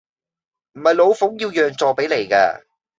唔係老奉要讓坐比你㗎